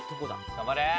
頑張れ！